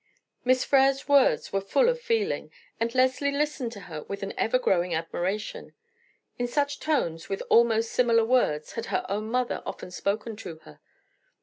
Miss Frere's words were full of feeling, and Leslie listened to her with an ever growing admiration. In such tones, with almost similar words, had her own mother often spoken to her.